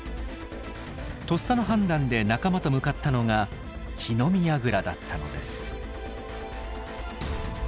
とっさの判断で仲間と向かったのが火の見やぐらだったのです。